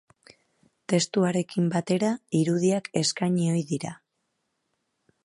Testuarekin batera irudiak eskaini ohi dira.